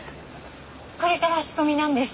これから仕込みなんです。